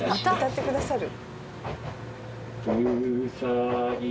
歌ってくださる。